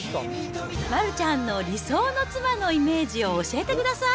丸ちゃんの理想の妻のイメージを教えてください。